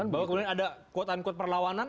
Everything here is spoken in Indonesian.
bahwa kemudian ada kuatan kuatan perlawanan